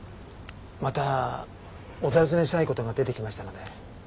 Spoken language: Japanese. またお尋ねしたい事が出てきましたので。